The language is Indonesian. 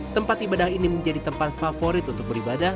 tempat ibadah ini menjadi tempat favorit untuk beribadah